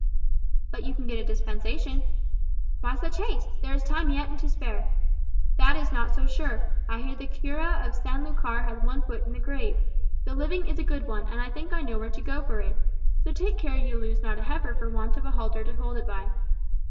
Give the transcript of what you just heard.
"But you can get a dispensation." "Why such haste? There is time yet and to spare." "That is not so sure. I hear the cura of San Lucar has one foot in the grave. The living is a good one, and I think I know where to go for it. So take care you lose not a heifer for want of a halter to hold it by."